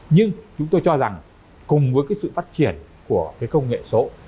nhưng chúng tôi cho rằng cùng với cái sự phát triển của cái công nghệ số